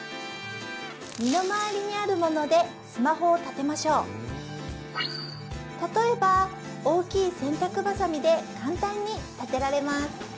身の回りにあるものでスマホを立てましょう例えば大きい洗濯バサミで簡単に立てられます